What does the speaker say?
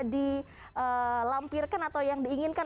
dilampirkan atau yang diinginkan